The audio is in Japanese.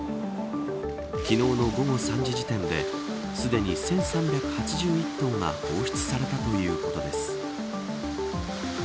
昨日の午後３時時点ですでに１３８１トンが放出されたということです。